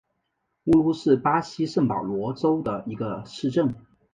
乌鲁是巴西圣保罗州的一个市镇。